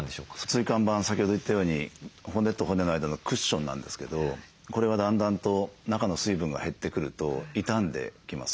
椎間板先ほど言ったように骨と骨の間のクッションなんですけどこれがだんだんと中の水分が減ってくると痛んできます。